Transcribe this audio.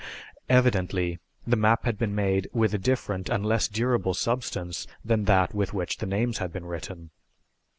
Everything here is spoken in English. Evidently the map had been made with a different and less durable substance than that with which the names had been written.